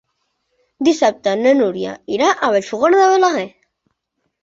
Dissabte na Núria irà a Vallfogona de Balaguer.